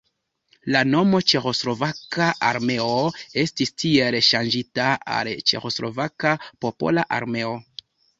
La nomo Ĉeĥoslovaka armeo estis tiel ŝanĝita al Ĉeĥoslovaka popola armeo.